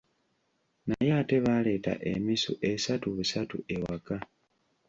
Naye ate baaleeta emisu esatu busatu ewaka.